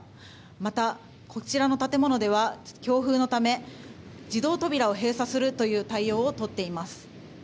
また、こちらの建物では強風のため自動扉を閉鎖するという対応をとっています。